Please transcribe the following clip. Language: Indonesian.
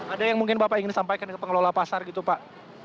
ada yang mungkin bapak ingin sampaikan ke pengelola pasar gitu pak